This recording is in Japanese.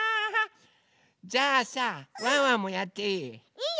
じゃあさワンワンもやっていい？